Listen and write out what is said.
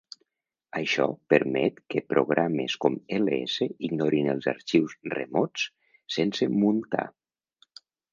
Això permet que programes com "Is" ignorin els arxius remots sense muntar.